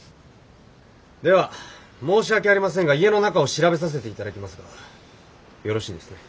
では申し訳ありませんが家の中を調べさせて頂きますがよろしいですね。